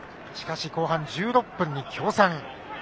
しかし後半１６分、京産。